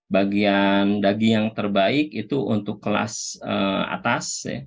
bagian daging yang terbaik itu untuk kelas atas